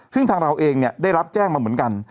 ซึ่งทางเราเองได้รับแจ้งมาเหมือนกัน